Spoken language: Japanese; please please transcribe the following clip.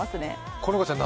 好花ちゃん